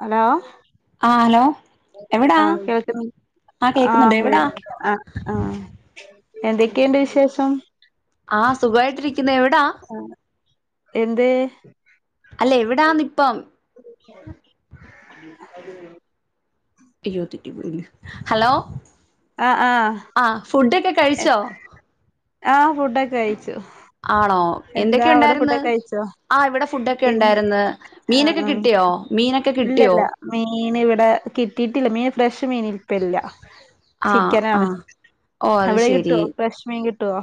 Hello ആ hello എവിടാ ആഹ് കേൾക്ക്ന്ന് ആ കേക്കുന്നുണ്ട് എവിടാ ആഹ് ആഹ് ആഹ് എന്തൊക്കെയുണ്ട് വിശേഷം ആഹ് സുഖവായിട്ടിരിക്കുന്ന് എവിടാ എന്തേ അല്ല എവിടാന്ന് ഇപ്പം [inaudible] അയ്യോ തെറ്റി പോയല്ലോ ഹലോ ആ ഫുഡൊക്കെ എൻ കഴിച്ചോ ആഹ് ഫുഡൊക്കെ കഴിച്ചു ആണോ എന്താ എന്തൊക്കെ അവിടെ ഉണ്ടായിര്ന്ന് ഫുഡൊക്കെ കഴിച്ചോ ആ ഇവിടെ ഫുഡൊക്കെ എ ഉണ്ടായിര്ന്ന് ആ മീനൊക്കെ കിട്ടിയോ മീനൊക്കെ കിട്ടിയോ ഇല്ലല്ല മീന് ഇവിടെ കിട്ടിയിട്ടില്ല മീൻ ഫ്രഷ് മീൻ ഇരിപ്പില്ല ആഹ് ആഹ് അവിടെ കിട്ടുവോ ഫ്രഷ് മീൻ കിട്ടുവോ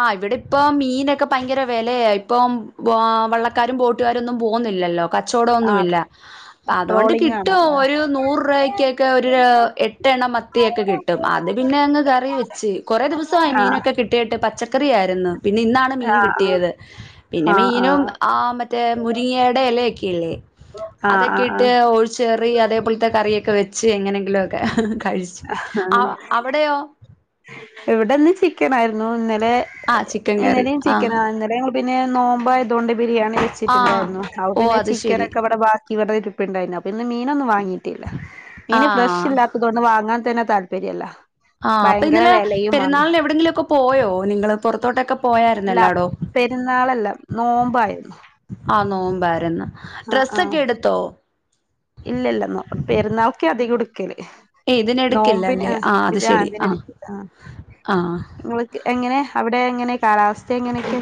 ആഹ് ഇവിടെ ഇപ്പം മീനൊക്കെ പയങ്കര വെലയ ഇപ്പം ആ വള്ളക്കാരും ബോട്ട് കൂട്ടുകാരൊന്നും പോന്നില്ലല്ലോ ആ കച്ചൊന്ന അൊണ്ട് ട്രോളിങ് കിട്ട ആണല്ലേ നൂ രൂപ എ എ മത്തിക്കെ കിട്ടും അത് പിന്നെ അങ്ങ് കറി വെച്ച് കുറ ദിവസമായി ആ മീനൊക്കെ കിട്ടിയിട്ട് പച്ചക്ക പിന്നെ ഇന്നാണ് ആ മീൻ കിട്ടിയത് പിന്നെ ആ ആ മീനും മറ്റങ്ങ അ അേലെ ആ ആ ആ വ ച്ച എങ്ങനെങ്കിലും ഒക്കെ കഴിച്ചു അവിടെയോ എവിടെന്ന് ചിക്കന ആായിരുന്നു ഇന്നലെ ആ ചിക്കൻ കറി ഇന്നലും ആഹ് ചന ഇന്നല പിന്നെ നോമ്പ ഇതുകൊണ്ട് ബിരിയാണി ആ വെച്ചിട്ടുണ്ടായിരുന്നു അ ഓ പിന്നെ അത് ചിക്കൻ ശരി ഒക്കെ അവിടെ ബാക്കി ഇവിടത്തെ ടിിപ്പ് ഉണ്ടായിരരുന്നു അപ്പൊ ഇന്ന് മീനൊന്നും വാങ്ങീട്ടില്ല ആ മീന് ഫ്രഷ് ഇല്ലാത്തത് കൊണ്ട് വാങ്ങാൻ തന്നെ താല്പര്യല്ല ആഹ് അപ്പൊ ഭയങ്കര ഇന്നലെ വെലയുമാണ് പെരുന്നാളിന് എവിടെയെങ്കിലും ഒക്കെ പോയോ നിങ്ങള് പുറത്തോട്ടൊക്കെ ഇല്ല പോയായിരുന്നല്ലാടോ പെരുന്നാളല്ലാം നോമ്പായിരുന്നു ആ നോമ്പാരന്ന് ആഹ് ആഹ് ഡ്രസൊക്കെ എടുത്തോ ല്ലേ ഏ ഇതിനെടുക്കില്ല നോമ്പിന് അല്ലേ ആ അത് ഇത് ശരി ആതിന ആ ആ നിങ്ങക്ക് എങ്ങനെ അവിടെ എങ്ങനെ കാലാവസ്ഥ എങ്ങനെയൊക്കെ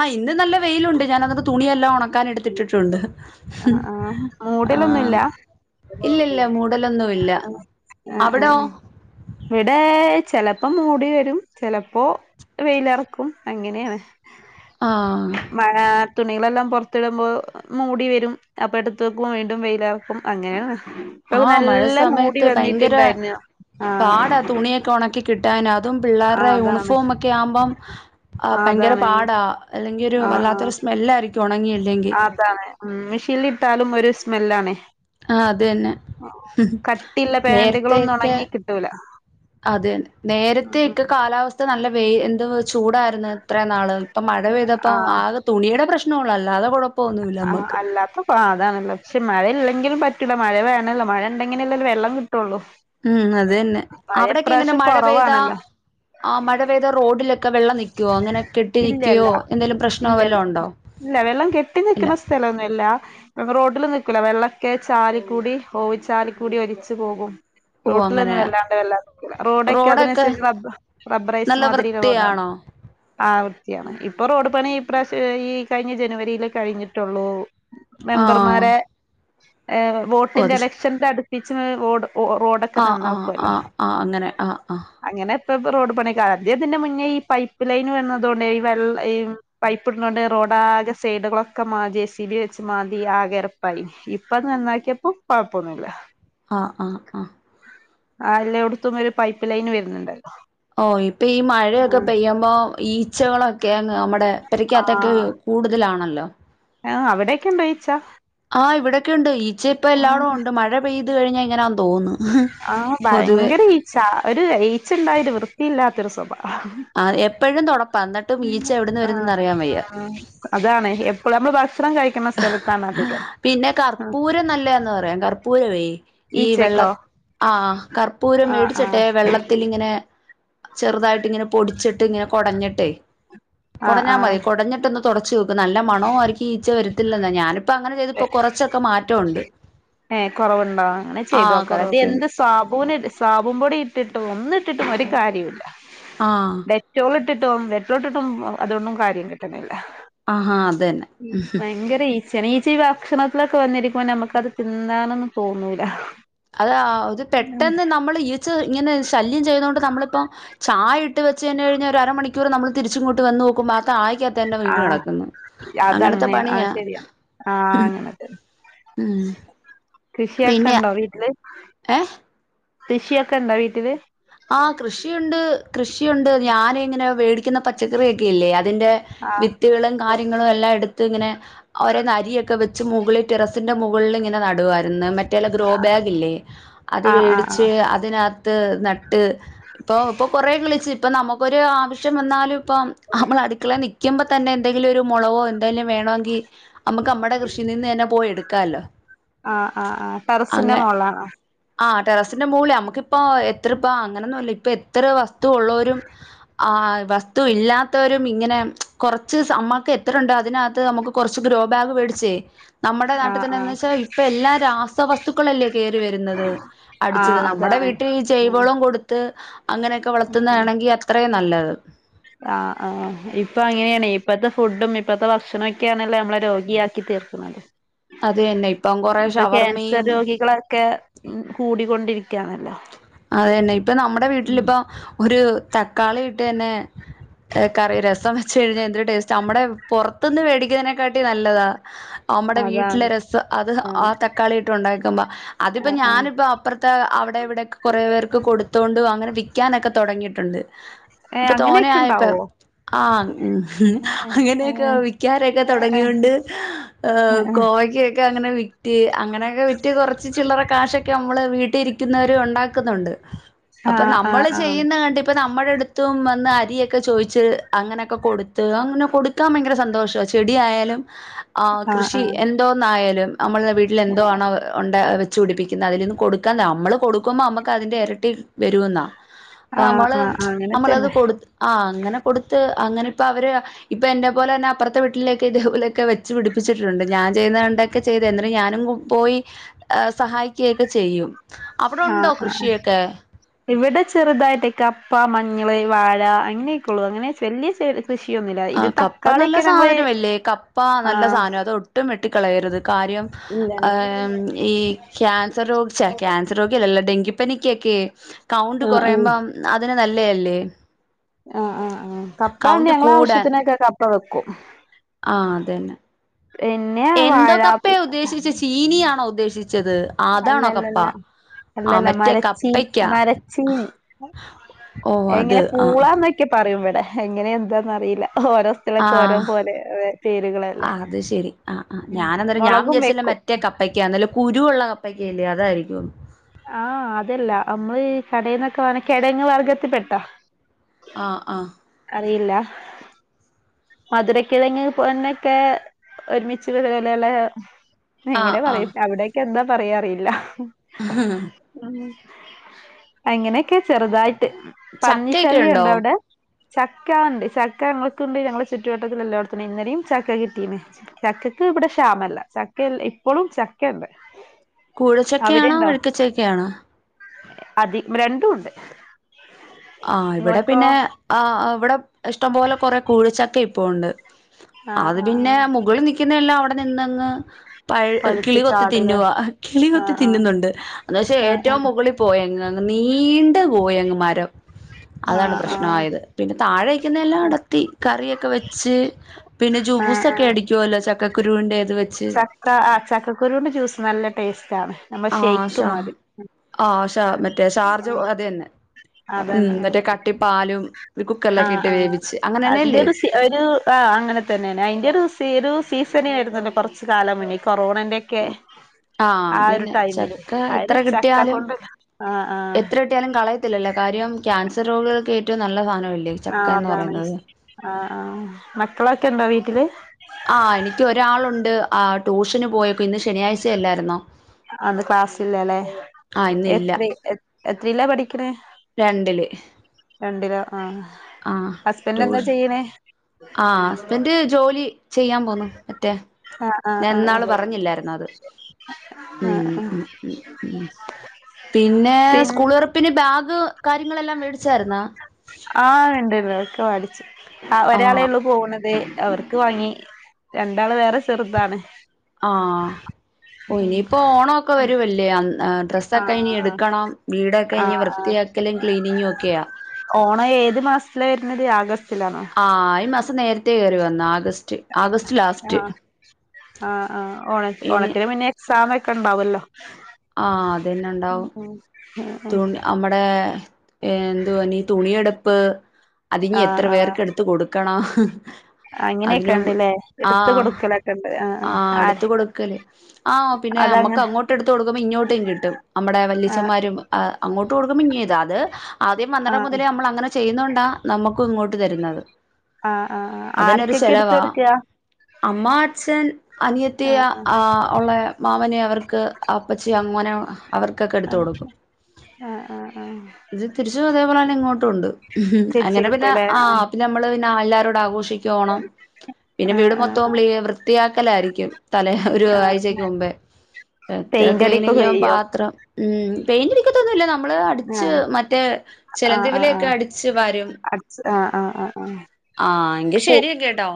ആഹ ഇന്ന് നല്ല വെയിലുണ്ട് ഞാൻ അക്ക് തുണിയല്ല ഉണക്ക ക്കൻ എടുത്തിട്ടിട്ടുണ്ട് ആഹ് ആഹ് ആ മൂടലൊന്നുല്ല ആഹ് ഇല്ലല്ല മൂടലൊന്നും ഇല്ല അവിടോ വിടെ ചെിലപ്പോ മൂടി വരും ചിലപ്പോ വെയിലിറക്കും അങ്ങനെയാണ് ആ മഴ തുണികളെല്ലാം പുറത്തിടുമ്പോൾ മൂടി വരും അപ്പൊ എടുത്ത വെക്കും വീണ്ടും വെയിലറക്കും അങ്ങനെയല്ല ആഹ മഴ സമയത്ത് ഭയങ്കര വന്നിട്ടുണ്ടായിരുന്നു ആഹ് പാടാ തുണിയൊക്കെ ഉണക്കി കിട്ടൻ അതും പിള്ളേരുടെ ആഹ് അതാണ് യൂണിഫോം ഒക്കെ ആകുമ്പം ആഹ് ഭയങ്കര അതാണ് പാടാ അല്ലെങ്കിൽ ഒരു ആഹ് വല്ലാത്തരു ആഹ് സ്മെല്ല ആായിരിക്കും ഉണങ്ങിട്ട അതാണ് ഉ മെഷീൽ ഇട്ടാലും ഒരു സ്മെല്ലാാണ് ആ അത് തന്നെ കട്ടിയുള്ള പാന്റുകളൊന്നും നേരത്തൊക്കെ ഒണങ്ങി കിട്ടൂല അതെ ഉം നേരത്തെ ഉം ഒക്കെ കാലാവസ്ഥ നല്ല എന്ത് ചൂടായിരുന്നു ഇത്ര നാള് ഇപ്പ മഴ പെയ്തപ്പോ ആഹ് ആകെ തുണിയുടെ പ്രശ്നം അ ആ അല്ലാത്ത പ അതാണ്ല്ലക്ഷെ മഴല്ല എങ്കിലും പറ്റില്ല മഴേണല്ലോ മഴ ഉണ്ടെങ്കിലല്ല വെം ക ഉം അത്തന്നെ അവിടെൊക്കെ എങ്ങനെ ഇപ്രാവശ്യം മഴ പെയ്ത കൊറവാണല്ലോ മഴ പെയ്ത റോഡിലൊക്കെെ ഇല്ലല്ല പ്രശ്നോ ഇല്ല വല്ലോ ഉണ്ടോ ഇല്ല വെള്ളം കെട്ടി ഇല്ല നിക്കുന്ന സ്ഥലന്ന റോഡിൽ നിക്കൂല വെള്ളൊക്കെ ചാല കൂടി ഓവി ചാല കൂടി ഒരിച്ച്ു പോകും ഓ അങ്ങനെ റോട്ടിലൊന്നും വെല്ലാണ്ട് വല്ലാ റോഡൊക്കെ അതിനുരി റബബ റബ്ബറൈസ് നല്ല മാതിരി റോഡാണ് വൃത്തിയാണോ ആ വൃത്തിയാണ് ഇപ്പൊ റോഡ് പണി ഇപ്രശ ഈ കഴിഞ്ഞ ജനുവരിൽ കഴിഞ്ഞിട്ടുള്ളൂ ആഹ് മെമ്പർമാരെ ഓ വോട്ടിന്റെ അത് ശരി എലക്ഷൻന്റെ അടുപ്പിച്ച് വഓടും ഓ റോഡൊക്കെ ആഹ് ആഹ് നന്നാക്കുവല്ലോ ആഹ് ആഹ് അങ്ങനെ ആഹ് ആഹ് അങ്ങനെ ോഡ പണിക്കറതിതിന്റെ മുന്നേ ഈ പൈപ്പ് ലൈന് വരുന്നത കൊണ്ട് ഈ വ ഈ പൈപ്പ് ഇടുന്നൊണ്ട് റോഡ ആകെ സൈഡുകളൊക്കെ മാ ജെ സി ബി വെച്ച് മതി ആകരപ്പൈ ഇപ്പൊന്ന് നന്നാക്കിയപ്പം കുഴപ്പൊന്നുമില്ല ആഹ് ആഹ് ആഹ ആ എല്ലോട്ത്തും ഒരു പൈപ്പ് ലൈന് വര്ന്ണ്ടല്ലോ ഓഹ് ഇപ്പൊ ഈ മഴയൊക്കെ പെയ്യുമ്പോ ഈച്ചകളൊ ക്കെ അങ്ങ് നമ്മടെ പെരക്കാത്തൊക്കെ ആഹ് കൂടുതലാണല്ലോ. ആഹ് അവടേയൊക്കെ ഇണ്ടോ ഈച്ച ആഹ് ഇവിടെക്ക ഉണ്ട് ഈച്ച ഇപ്പ എല്ലാവടും ആഹ് ഉണ്ട് മഴ പെയ്ത് കഴിഞ്ഞാ ഇങ്ങനാവുന്ന് തോന്ന്. ആഹ് ഭയങ്കര ഈച്ച ഒരു ഈച്ച ഇണ്ടായാ ഒര് വൃത്തിയില്ലാത്തൊരു സ്വഭ ആഹ് ആ എപ്പോഴും തുടപ്പാ എന്നിട്ടും ഈച്ച എവിടുന്ന് ആഹ് വരുന്നെന്ന് അറിയാൻ വയ്യ അതാണ്. എ പ്പളും നമ്മൾ ഭക്ഷണം കഴിക്കുന്ന സ്ഥല പിന്നെ കർപ്പൂരം നല്ലയാന്ന് പറയാം, കർപ്പൂരവേ. ഈ വെള്ള, ഈച്ചക്കോ ആഹ് കർപ്പൂരം ആഹ് മേടിച്ചിട്ടേ ആഹ് വെള്ളത്തിലിങ്ങനെ ചെറ്തായിട്ട് ഇങ്ങനെ പൊടിച്ചിട്ട് ഇങ്ങനെ കൊടഞ്ഞിട്ടേ, ആഹ് കൊടഞ്ഞാ മതി, ആഹ് കൊടഞ്ഞിട്ടൊന്ന് തൊടച്ച് നോക്ക് നല്ല മണൊവാരിക്കും ഈച്ച വരുത്തില്ലെന്നാ ഞാനിപ്പ അങ്ങനെ ചെയ്ത്പ്പോ കൊറച്ചൊക്കെ മാറ്റവുണ്ട്. ഏഹ് കൊറവ്ണ്ടോ അങ്ങനെ ചെയ്തോക്കാ ലേ. കുറവൊക്കെ ഉണ്ട് ഇതെന്ത് സാബൂനിത് സാബൂൻ പൊടി ഇട്ടിട്ടും ഒന്ന്ട്ടിട്ടും ഒരു കാര്യുല്ല ആ ഡെറ്റോള് ഇട്ടിട്ടും ഡെറ്റോളിട്ടിട്ടും അ അതൊന്നും കാര്യം കിട്ട്ണി ആഹാ അത് ഉം തന്നെ വയങ്കര ഈച്ചേണ് ഈ ച്ച ഈ ഭക്ഷണത്തിലൊക്കെ വന്നിരിക്കുമ്മൊ ഞമ്മക്കത് തിന്നാനൊന്നും തോന്നൂല. അതാ അത് പെട്ടെന്ന് നമ്മള് ഈ ച്ച് ഇങ്ങനെ ശല്യം ചെയ്തുകൊണ്ട് നമ്മളിപ്പോ ചായ ഇട്ട് വെച്ചുതന്നെ കഴിഞ്ഞാ ഒരു അരമണിക്കൂറ് നമ്മൾതിരിച്ചിങ്ങോട്ട് വന്നു നോക്കുമ്പോ ആ കായ് ക്കാത്ത് അങ്ങനെ ആഹ് വീണുകെടക്കുന്നു അങ്ങനത്തെ അതങ്ങനെ ആഹ് പണിയാ. ശരിയാ ആഹ് അങ്ങനെ ഉം കൃഷിയൊക്കെണ്ടോ വീട്ടില്? ഏഹ് കൃഷിയൊക്കെണ്ടോ വീട്ടില്? ആ കൃഷിയൊണ്ട് കൃഷിയൊണ്ട് ഞാനിങ്ങനെ വേടിക്കുന്ന പച്ചക്കറിയൊക്കെയില്ലേ അ അതിന്റെ ആഹ് വിത്തുകളും കാര്യങ്ങളും എല്ലാം എടുത്ത് ഇങ്ങനെ ഓരേന്നരിയൊക്കെ വെച്ച് മുകളിൽ ടെറസിന്റെ മുകളിൽ ഇങ്ങനെ നടുവായിരുന്നു മ റ്റേല ഗ്രോ ബാഗില്ലേ അത് ആഹ് ആഹ് വേടിച്ച് ആഹ് അതിനാത്ത് നട്ട് ഇപ്പൊ ഇപ്പ കൊറേ കിളിച്ചു, ഇപ്പ നമുക്കൊരു ആവശ്യം വന്നാലും ഇപ്പ നമ്മൾ അടുക്കളെ നിക്കുമ്പ തന്നെ എന്തെങ്കിലും ഒരു മുളകോ എന്തെലും വേണോങ്കി നമ്മക്ക് നമ്മടെ കൃഷി നിന്ന് തന്നെ പോയി എടുക്കാല്ലോ. ആഹ് ആഹ് ആഹ് ടെറസിന്റെ അങ്ങ മോളിലാണോ? ആ ടെറസിന്റെ മോളി നമുക്കിപ്പോ എത്രപ്പ അങ്ങനൊന്നുവില്ല ഇപ്പ എത്ര വസ്തു ഒള്ളവരും ആ വസ്തു ഇല്ലാത്തവരും ഇങ്ങനെ കൊറച്ച് സമ്മക്ക് എത്രുണ്ട് അതിനകത്ത് നമുക്ക് കുറച്ച് ഗ്രോ ബാഗ് മേടിച്ചേ നമ്മുടെ നാട്ടിൽ ആഹ് ആഹ് തന്നെന്ന്വച്ചാ ഇപ്പ എല്ലാ രാസവസ്തുക്കളല്ലേ കേറി വരുന്നത് അടിച്ചത്, ആഹ് നമ്മടെ അതാണ് വീട്ടിൽ ജൈവവളം ഉം കൊടുത്ത് അങ്ങനെക്കെ വളർത്തുന്നാണെങ്കി അത്രേ നല്ലത്. ആഹ്. ആഹ് ഇപ്പ അങ്ങനെയാണേ ഇപ്പത്തെ ഫുഡും ഇപ്പത്തെ ഭക്ഷണോക്കെയാണല്ലോ നമ്മളെ രോഗിയാക്കി തീർക്ക്ണത്. അത് തന്നെ ഇപ്പം കൊറേ ഇപ്പ ക്യാൻസർ ഷവർമ്മയും രോഗികളൊക്കെ കൂടിക്കൊണ്ടിരി യ്ക്കയാണല്ലോ. അതുതന്നെ ഇപ്പൊ നമ്മുടെ വീട്ടിലിപ്പൊ ഒരു തക്കാളി ഇട്ട് തന്നെ കറി രസം വെച്ച് കഴിഞ്ഞാ എന്തൊരു ടേസ്റ്റാ, നമ്മടെ പൊറത്തുന്ന് മേടിക്കുന്നതിനെക്കാട്ടി നല്ലതാ. നമ്മടെ അതാണ് വീട്ടിലെ രസ അത് ആഹ് തക്കാളിട്ടും ഒണ്ടാ അതിപ്പൊ ആഹ് ആഹ് ഞാനിപ്പ അപ്പുറത്തെ അവിടെ ഇവിടെയൊക്കെ കൊറേ പേർക്ക് കൊടുത്തു കൊണ്ട് അങ്ങനെ വി ക്കാനൊക്കെ തൊടങ്ങീട്ടുണ്ട് ഏഹ് ഇപ്പൊ തോന അങ്ങനെയൊക്കെ ആയപ്പം ഉണ്ടാവോ ആഹ് ഉം ഉം ഏഹ് അങ്ങനെയൊക്കെ ഏഹ് വിക്ക്യാനൊക്കെ ഏഹ് തൊടങ്ങിയോണ്ട് ഓഹ് ഏഹ് കോവക്ക്യയൊ ക്കെ അങ്ങനെ വിറ്റ് അങ്ങനെയൊക്കെ വിറ്റ് കൊറച്ച് ചില്ലറ കാശൊക്കെ നമ്മള് വീട്ടിരിക്കുന്നവരു ഒണ്ടാ ക്കുന്നുണ്ട് അപ്പ ആഹ് ആഹ് നമ്മള് ആഹ് ചെയ്യുന്ന കണ്ടിപ്പം ന മ്മടെ അട്ത്തും വന്ന് അരിയൊക്കെ ചോയിച്ച് അങ്ങനെയൊക്കെ കൊടുത്ത് അങ്ങനെ കൊടുക്കാൻ ഭയങ്കര സന്തോഷാ ചെ ടിയായാലും ആഹ് കൃഷി എന്തോന്നായാലും അമ്മള്ടെ വീട്ടിലെ എന്തോ ആണോ ഒണ്ടാ വെ ച്ചുടിപ്പിക്കിന്ന അതിലിന്ന് കൊടുക്കാ നമ്മള് കൊടുക്കുമ്പോ അമ്മക്കതിന്റെ എരട്ടി വരൂന്നാ ആഹ് നമ്മള് ആഹ് അങ്ങനെ നമ്മളത് തന്നെ കൊടുത് ആഹ് അങ്ങനെ കൊടുത്ത് അങ്ങനെപ്പൊ അവര് ഇപ്പം എന്റെ പോലെന്നെ അപ്പറത്തെ വീട്ടിലൊക്കെ ഇതേ പോലൊക്കെ വെച്ച് പിടിപ്പിച്ചിട്ടുണ്ട് ഞാൻ ചെയ്യുന്ന ടെക്കെ ചെയ്ത് എന്നര് ഞാനും കു പോയി ഏഹ് സഹായിക്ക്യൊക്കെ ചെയ്യും അവിടൊണ്ടോ? ആഹ് ആഹ് ഇവിടെ ചെറുതായിട്ട് കപ്പ, മഞ്ഞള്, വാഴ അങ്ങനെയൊക്കൊള്ളു അങ്ങനെ വെല്ല്യ [unintelligible] ആഹ് കപ്പ നല്ല സാധനവല്ലേ കപ്പ നല്ല ആഹ് സാനാ അത് ഒട്ടും വെട്ടി കളയരുത് കാര്യം ഇല്ലല്ലേ ആം ഈ ക്യാൻസർ രോ ഛേ ക്യാൻസർ രോഗി ലല്ലാ ഡെങ്കിപ്പനിക്ക്യക്കേ കൗണ്ട് ആഹ് ആഹ് കൊറയുമ്പോ അതിന് നല്ലേയല്ലേ ആഹ് ആഹ് ആഹ് കപ്പണ്ട് ഞങ്ങളാവശ്യ കൂടാൻ ത്തിനൊക്കെ കപ്പ വെക്കും ആ അതന്നെ പിന്നെ എന്തോ വാഴ പിന്നെത്താ ച്ചത് ആതാണോ കപ്പ ആ അല്ലല്ല മറ്റേ മരച്ചീ കപ്പയ്ക്ക മരച്ചീനി ഓ അത് എങ്ങനെ ആ പൂളാന്നൊക്കെ പറയും ഇവടെ എങ്ങനെ എന്താന്നറിയില്ലാ ഓരോ ആ സ്ഥലത്ത് ഓരോ പോലെ ഏഹ് പേരുകളല്ലേ അത് ശരി ആ ആ ഉം ഞാനന്നേരം ഞാൻ മൊളകും വിചാരിച്ചില്ല വെക്കും മറ്റേ കപ്പക്ക്യാ നല്ല കുരുവുള്ള കപ്പക്ക്യയല്ലേ അതായിരിക്കും ആഹ് അതല്ല അമ്മ ഈ കടന്നെക്കെ വ കെയങ്ങു വർഗ്ഗത്തിൽപ്പെട്ട ആഹ് ആഹ് അറിയില്ല മധുരക്കിഴങ്ങ് പോന്നൊക്കെ ഒരുമിച്ച് വെലവാലങ്ങന്നോ ആ എങ്ങനെ പറയും അവിടെയൊക്കെ എന്താ പറയാ അറിയില്ലഹ് മ്മ് ആഹാഹും അങ്ങനെയൊക്കെ ചെറുതായിട്ട് ചക്കയൊക്കെ ഉണ്ടോ പന്നിശല്യുണ്ടോ അവിടെ ചക്ക ഉണ്ട് ചക്ക ഞങ്ങക്കുണ്ട് ഞങ്ങളെ ചുറ്റുവട്ടത്തില് എല്ലായിടത്തണ ഇന്നലും ചക്ക കിട്ടീന്നേ ചക്ക ചക്ക ഇവിടെ ക്ഷാമല്ല ചക്ക ഇപ്പോളും ചക്കഇണ്ട് കൂഴചെക്കെയാണോ വെഴുക്കച്ചക്കയണോ അതി രണ്ടും ഉണ്ട് ആഹ് ഇവിടെ നിങ്ങൾക്കോ പിന്നെ ആഹ് ആഹ് ഇവിടെ ഇഷ്ടംപോലെ കൊറെ കൂഴിച്ചക്ക ഇപ്പഒണ്ട് ആഹ് അത് പിന്നെ ആഹ് മുകളിനിക്കുന്നയെല്ലാം അവിടെനിന്നങ്ങ് പഴ പഴുത്ത് കിളി ചാടൂലേ കൊത്തിതിന്നുവാ കിളി കൊത്തി ആഹ് ആഹ് തിന്നുന്നുണ്ട് എന്നച്ചെ ആഹ് ഏറ്റവും ആഹ് മുകളിൽപോയെങ്ങ് ങ്ങ് നീണ്ട പോയെങ്ങ് മരം അതാണ് ആഹ് ആഹ് പ്രശ്നആയത് പിന്നെ താഴെന്നിക്ക്‌ന്നെഎല്ലാം അടത്തി കറിയൊക്കെ വെച്ച് പിന്നെ ജ്യൂസ് ആഹ് ഒക്കെ ആഹ് അടിക്കുവല്ലോ ചക്കക്കുരുവിന്റെ ഇത് വെച്ച് ചക്ക ആഹ് ചക്കക്കുരുണ്ട് ജ്യൂസ് നല്ല ടേസ്റ്റ് ക്കാണ് നമ്മ ആഹ് ഷാ ഷേക്ക്മാതിരി ആഹ് ഷാ മറ്റേ ഷാർജ അത് തന്നെ ഉം അതന്ന മറ്റേ കട്ടിപ്പാലും ഒരു കുക്കറിലൊക്കെ ആഹ് ഇട്ട് ആഹ് വേവിച്ച് അതിന്റെ അങ്ങനെന്നെയല്ലേ ഒരു സി ആഹ് അങ്ങനെ തന്നെയാണ് അയിന്റെ ഒരു സി ഒരു സീസണ രുന്നുല്ലോ കൊറച്ച് കാലംമുന്നേ ഈ കൊറോണന്റെ ഒക്കെ ആഹ ആ ഒരു അങ്ങനെ ടൈമില് ചക്ക എത്ര അര് ചക്ക കിട്ടിയാലും കൊണ്ട് ആഹ് ആഹ് എത്ര കിട്ടിയാലും കളയത്തില്ലല്ലോ കാര്യം ക്യാൻസർരോഗികൾക്ക് ഏറ്റവും നല്ല സധനം ക്യാ ആഹ് അതാണ് ആഹ് ആഹ് മക്കളൊക്കെ ഉണ്ടോ വീട്ടില് ആഹ് എനിക്ക് ഒരാളുണ്ട് ആ ട്യൂഷന് പോയേക്കുവാ ഇന്ന് ശനിയാഴ്ചയല്ലാരുന്നോ? അത് ക്ലാസ്സില്ല ലെ ആഹ് ഇന്നില്ല എത്രെ എ എത്രെല പഠിക്കണേ? രണ്ടില് രണ്ടിലോ ആഹ് ആഹ് ഹസ്ബന്റ് എന്താ ട്യൂഷ ചെയ്യണേ? ആഹ് ഹസ്ബന്റ് ജോലി ചെയ്യാൻ പോന്ന്. മറ്റേ ആഹ് ആഹ് ഞ എന്നാള് ആഹ് പറഞ്ഞില്ലാരുന്നോ അത്. ആഹ് ഉം അഹ്‌. ഉം ഉം ഉം പിന്നെ സ്കൂൾ തൊറപ്പിന് ബാഗ് കാര്യങ്ങളെല്ലാം മേടി ആഹ് ഇണ്ടല്ലോ ഒക്കെ വാടിച്ചു ആ ആഹ് ഒരാളേള്ളൂ പോകണ്ണേത് അവർക്ക് വാങ്ങി രണ്ടാള് വേറെ ചെറുതാണ് ആഹ ഓ ഇനിയിപ്പോ ഓണംക്കെ വരുവല്ലേഅന്ന് ഡ്രസ്സ്എക്കെഇനി ആഹ് എടുക്കണം വീടൊക്കെഇനി ആഹ് ആഹ് വൃത്തിയാക്കലും ആഹ് ക്ലീനിങ്ങും ഒക്കെയാ ഓണം ഏത് മാസത്തില വരുന്നത് ആഗസ്റ്റ് ആഹ ഈ മാസം നേരത്തെ കയറി വന്ന ആഗസ്റ്റ് ആഗസ്റ്റ് ലാസ്റ്റ് ആഹ ആ ആ ഓണ ഇനി ഓണത്തിന് മു ന്നെഎക്സാംഇ ഒക്കെ ഉണ്ടാവുല്ലോ ആഹ് അത്ന്നെ ഉണ്ടാവും ഉം തുണി നമ്മടെ ഏഹ് എന്തുവാ നി തുണിയെടുപ്പ് അതിനി ആഹ് എത്ര ആഹ് പേർക്ക് എടുത്ത് കൊടുക്കണ [inaudible] അതിനമുമ്പ് ഉണ്ട്ല്ലേ എടുത്ത് ആഹ് കൊടുക്കലൊക്കെ ഉണ്ട് ആഹ് ആര് അടുത്ത് കൊടുക്കല് ആഹ് പിന്നെ അപ്പ് നമ്മുക്ക് അതങ്ങനെ അങ്ങോട്ട് എടുത്ത് കൊടുക്കുമ്പോ ഇങ്ങോട്ടേും കിട്ടും നമ്മടെ ആഹ് വലിച്ചന്മാരും അ അങ്ങോട്ട് കൊടുക്കുമ്പോ ഇങ്ങ ഇതാ അത് ആദ്യം വന്നടം ആഹ് മുതലേ നമ്മള് അങ്ങനെ ചെയ്യുന്നോണ്ടാ നമുക്ക് ക്കു ഇങ്ങോട്ട് തരുന്നത് ആഹ് ആഹ് ആഹ് അതിനൊരു ആർക്കൊക്കെ എടുത്ത് ചെലവാ കൊടുക്ക്കാ അമ്മ അച്ഛൻ അനിയത്തി ആഹ് ആഹ് ഒള്ളെ മാമന് അവർക്ക് അപ്പച്ചി അമ്മുന് അവർക്കൊക്കെ എടുത്ത് ആഹ് കൊടുക്കും ആഹ് ആഹ് ആഹ് ഇത് തിരിച്ചും അതേപോലെ തന്നെ ഇങ്ങോട്ടും ഉണ്ട് ഉം തിരിച്ച് അങ്ങനെ പിന്നെ കിട്ടൂലേ ആ ആഹ് അപ്പ നമ്മള് പിന്നെ എല്ലാരോട് ആഘോഷിക്ക യോണം പിന്നെ ആഹ് വീട് ആഹ് മൊത്തോം ക്ലി വൃത്ത് ത്തിയാക്കലാരിക്കും തലെ ഒരു ആഹ് ആഹ് ആഴ്ചക്ക് മുമ്പേ പറ്റ പെയിന്റ് അടിക്കൊക്കെ ക്ലീനിങ്ങ് ചെയ്യോ പാത്രം ഉം പെയിന്റ് ഇരിക്കത്തൊന്നില്ല നമ് നമ്മള് അടിച്ച് ആഹ് മറ്റേ ആഹ് ആഹ് ചെലന്തിവലൊക്കെ ആഹ് അടിച്ച് വാരും അടിച്ച് ആഹ് ആഹ് ആഹ് ആഹ് ആഹ് എങ്കി ശരി കേട്ടോ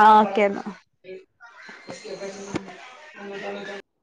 ആഹ് ഓക്കേ എന്നാ